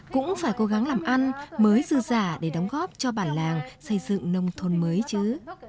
cũng phải cố gắng làm ăn mới dư giả để đóng góp cho bản làng xây dựng nông thôn mới chứ